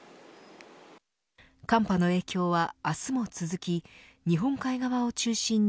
寒波の影響は明日も続き日本海側を中心に